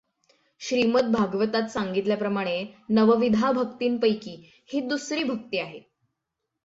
श्रीमद् भागवतात सांगितल्याप्रमाणे नवविधा भक्तींपैकी ही दुसरी भक्ती आहे.